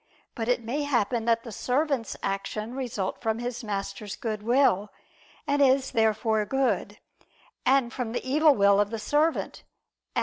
But it may happen that the servant's action result from his master's good will, and is therefore good: and from the evil will of the servant, and is therefore evil.